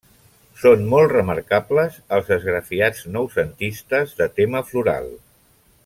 Són molt remarcables els esgrafiats noucentistes, de tema floral.